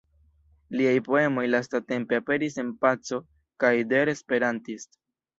Liaj poemoj lastatempe aperis en "Paco" kaj "Der Esperantist".